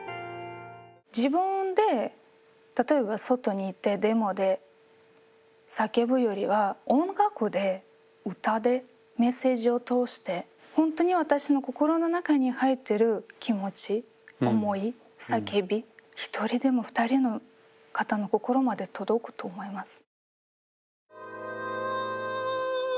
自分で例えば外に行ってデモで叫ぶよりは音楽で歌でメッセージを通してほんとに私の心の中に入ってる気持ち思い叫び１人でも２人の方の心まで届くと思います。